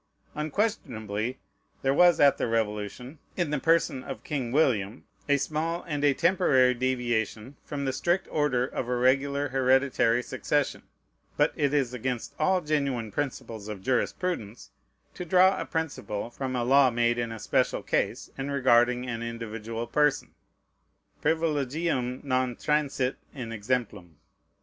Unquestionably there was at the Revolution, in the person of King William, a small and a temporary deviation from the strict order of a regular hereditary succession; but it is against all genuine principles of jurisprudence to draw a principle from a law made in a special case and regarding an individual person. Privilegium non transit in exemplum.